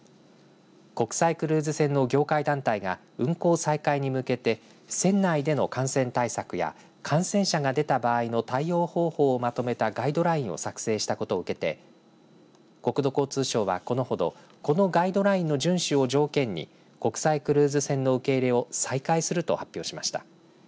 国際クルーズ船の業界団体が運航再開に向けて船内での感染対策や感染者が出た場合の対応方法をまとめたガイドラインを作成したことを受けて国土交通省は、このほどこのガイドラインの順守を条件に国際クルーズ船の受け入れを再開すると発表しました。